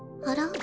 あら？